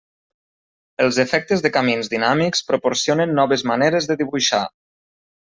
Els efectes de camins dinàmics proporcionen noves maneres de dibuixar.